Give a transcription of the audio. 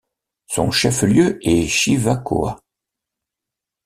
Son chef-lieu est Chivacoa.